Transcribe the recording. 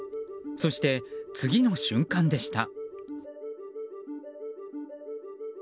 そして次の瞬間でした。